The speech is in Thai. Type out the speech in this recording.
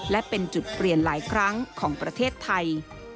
และเป็นจุดเปลี่ยนหลายครั้งของประเทศไทย